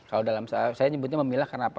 kalau dalam saya nyebutnya memilah karena apa